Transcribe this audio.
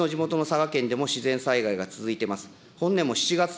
私の地元の佐賀県でも、自然災害が続いています。